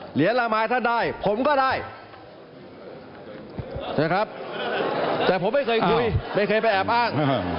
ละไม้ท่านได้ผมก็ได้นะครับแต่ผมไม่เคยคุยไม่เคยไปแอบอ้าง